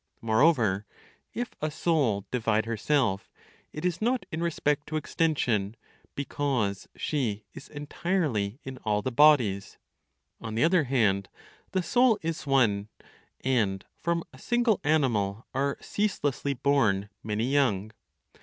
Moreover, if a soul divide herself, it is not in respect to extension; because she is entirely in all the bodies. On the other hand, the Soul is one; and from a single animal are ceaselessly born many young.